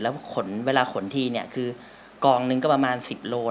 แล้วขนเวลาขนทีเนี่ยคือกองนึงก็ประมาณ๑๐โล